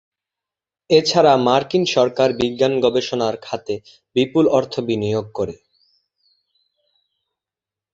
এছাড়া মার্কিন সরকার বিজ্ঞান গবেষণার খাতে বিপুল অর্থ বিনিয়োগ করে।